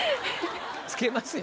つけますよ。